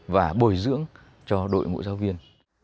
và bồi dưỡng cho đội ngũ giáo viên